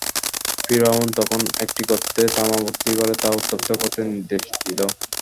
ফিরআউন তখন একটি গর্তে তামা ভর্তি করে তা উত্তপ্ত করতে নির্দেশ দিল।